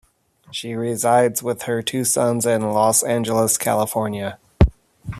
She resides with her two sons in Los Angeles, California.